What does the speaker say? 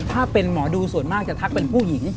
ถ้าเป็นหมอดูส่วนมากจะทักเป็นผู้หญิง